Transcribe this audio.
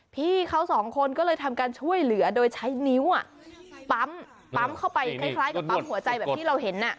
พี่เขาสองคนก็เลยทำการช่วยเหลือโดยใช้นิ้วปั๊มเข้าไปคล้ายกับปั๊มหัวใจแบบที่เราเห็น